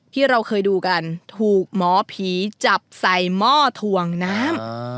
ที่เราเคยดูกันถูกหมอผีจับใส่หม้อถ่วงน้ำ